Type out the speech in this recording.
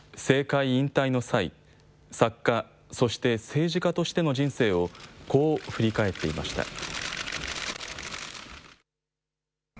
政界引退の際、作家、そして政治家としての人生をこう振り返っていました。